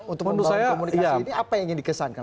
untuk mendorong komunikasi ini apa yang ingin dikesankan